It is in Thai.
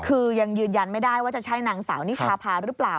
คือยังยืนยันไม่ได้ว่าจะใช่นางสาวนิชาพาหรือเปล่า